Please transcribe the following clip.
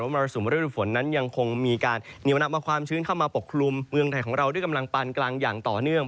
มรสุมฤดูฝนนั้นยังคงมีการเหนียวนำเอาความชื้นเข้ามาปกคลุมเมืองไทยของเราด้วยกำลังปานกลางอย่างต่อเนื่อง